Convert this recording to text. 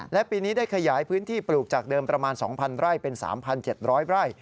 และปีนี้ได้ขยายพื้นที่ปลูกจากเดิมประมาณ๒๐๐ไร่เป็น๓๗๐๐ไร่